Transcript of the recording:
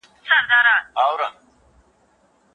تاسي کله کابل ته همېشهلي سواست؟